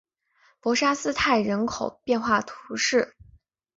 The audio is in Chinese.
博沙斯泰人口变化图示